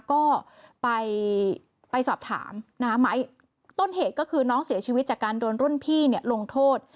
ก็ไปไปสอบถามน้าไม้ต้นเหตุก็คือน้องเสียชีวิตจากการโดนรุ่นพี่เนี่ยลงโทษ